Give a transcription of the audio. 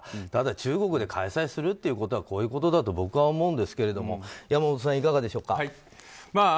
ただ中国で開催するということはこういうことだと僕は思うんですけれども山本さん、いかがでしょうか。